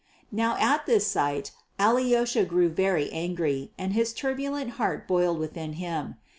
Now at this sight Alyosha grew very angry, and his turbulent heart boiled within him.